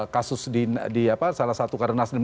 kasus di salah satu karena nasdem